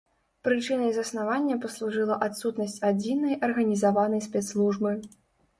Прычынай заснавання паслужыла адсутнасць адзінай арганізаванай спецслужбы.